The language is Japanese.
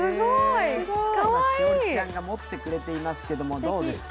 栞里ちゃんが持ってくれてますけど、どうですか？